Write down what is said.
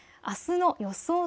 あすの予想